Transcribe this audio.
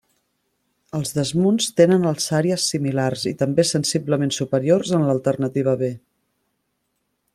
Els desmunts tenen alçàries similars i també sensiblement superiors en l'alternativa B.